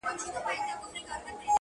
پر وظیفه عسکر ولاړ دی تلاوت کوي،